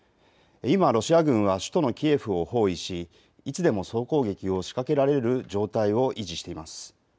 今、ロシア軍は首都のキエフを包囲しいつでも総攻撃を仕掛けられる状態を維持しています。